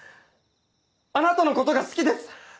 あなたのことが好きです！